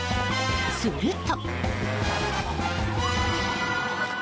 すると。